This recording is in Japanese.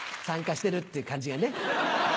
参加してるっていう感じがね。